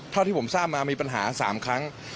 เท่าที่ผมทราบมามีปัญหา๓ครั้ง